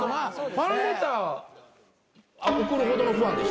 ファンレター送るほどのファンでしょ？